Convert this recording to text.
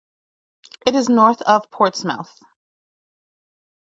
It is north of Portsmouth.